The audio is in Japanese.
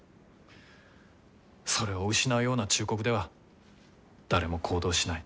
それを失うような忠告では誰も行動しない。